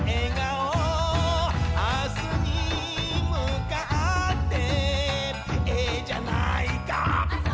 「明日に向かってええじゃないか」